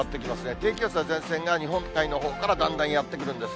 低気圧や前線が日本海のほうからだんだんやって来るんです。